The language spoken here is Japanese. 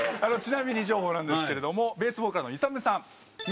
ちなみに情報なんですけどベースボーカルのイサムさん。